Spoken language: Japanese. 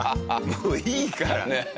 もういいから！